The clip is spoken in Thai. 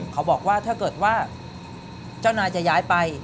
เขาบอกว่าถ้าเกิดว่าเจ้านายจะย้ายไป